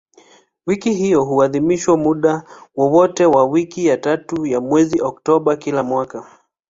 Wiki hiyo huadhimishwa muda wote wa wiki ya tatu ya mwezi Oktoba kila mwaka.